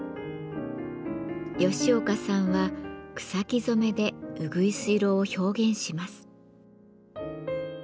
吉岡さんは草木染めでうぐいす色を表現します。